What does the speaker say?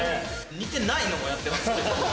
似てないのもやってます。